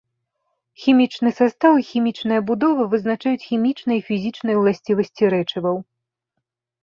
Хімічны састаў і хімічная будова вызначаюць хімічныя і фізічныя ўласцівасці рэчываў.